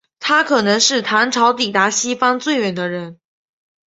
他可能是唐朝抵达西方最远的人。